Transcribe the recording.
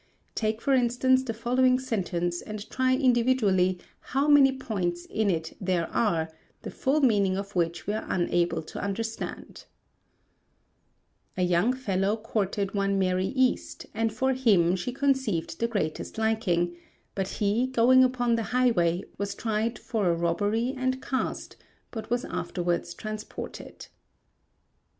Take for instance the following sentence and try individually how many points in it there are, the full meaning of which we are unable to understand: "A young fellow courted one Mary East, and for him she conceived the greatest liking; but he going upon the highway, was tried for a robbery and cast, but was afterwards transported."